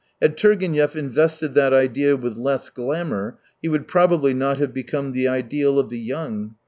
Had Turgenev invested that idea with less glamour, he would probably not have become the ideal of the young.